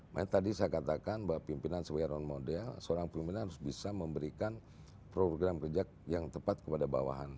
makanya tadi saya katakan bahwa pimpinan sebagai role model seorang pimpinan harus bisa memberikan program kerja yang tepat kepada bawahan